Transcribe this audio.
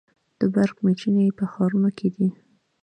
د برق میچنې په ښارونو کې دي.